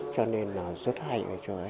cho nên là rất hay